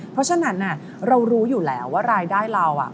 เพราะฉะนั้นเรารู้อยู่แล้วว่ารายได้เรา